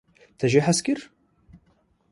Te jê hez kir?